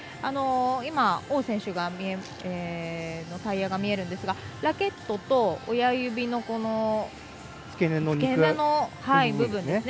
今、王選手のタイヤが見えるんですがラケットと親指の付け根の部分ですね。